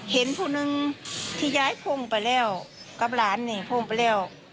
เห็นผู้นึงที่ยายพ่งไปแล้วกับหลานเนี่ยพ่งไปแล้ว